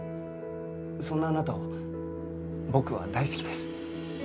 そんなあなたを僕は大好きです。